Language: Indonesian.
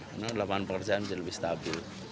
karena lapangan pekerjaan lebih stabil